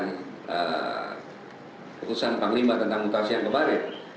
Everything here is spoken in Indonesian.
keputusan panglima tentang mutasi yang kemarin